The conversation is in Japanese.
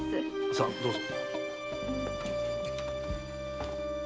さあどうぞ。